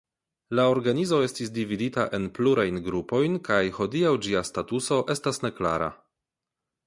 La organizo estis dividita en plurajn grupojn kaj hodiaŭ ĝia statuso estas neklara.